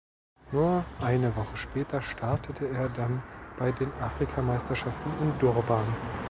Nur eine Woche später startete er dann bei den Afrikameisterschaften in Durban.